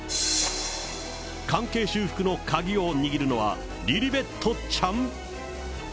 関係修復の鍵を握るのは、リリベットちゃん？